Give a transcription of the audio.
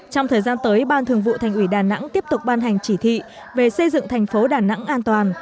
trong thời gian tới ban thường vụ thành ủy đà nẵng tiếp tục ban hành chỉ thị về xây dựng thành phố đà nẵng an toàn